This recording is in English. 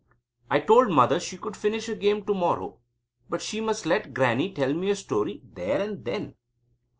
I told Mother she could finish her game to morrow, but she must let Grannie tell me a story there and then.